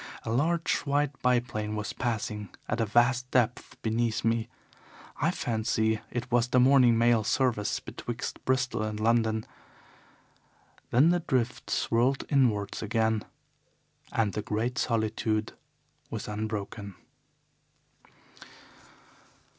A large white biplane was passing at a vast depth beneath me. I fancy it was the morning mail service betwixt Bristol and London. Then the drift swirled inwards again and the great solitude was unbroken.